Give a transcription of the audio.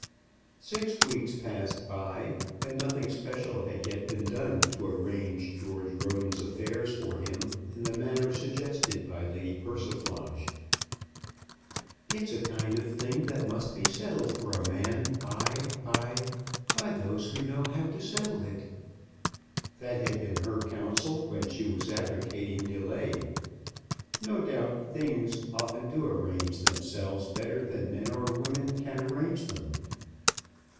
Six weeks passed by, and nothing special had yet been done to arrange George Roden's affairs for him in the manner suggested by Lady Persiflage. "It's a kind of thing that must be settled for a man by, by, by those who know how to settle it." That had been her counsel when she was advocating delay. No doubt "things" often do arrange themselves better than men or women can arrange them.